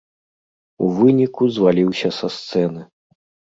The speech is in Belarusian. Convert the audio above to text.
У выніку, зваліўся са сцэны.